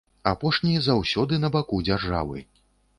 Апошні заўсёды на баку дзяржавы.